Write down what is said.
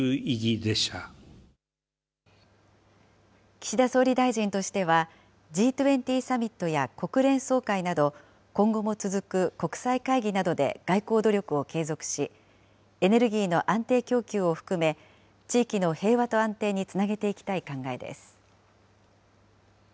岸田総理大臣としては、Ｇ２０サミットや国連総会など、今後も続く国際会議などで外交努力を継続し、エネルギーの安定供給を含め、地域の平和と安定につなげていきたい考えです。